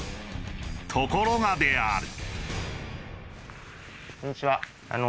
ところがである。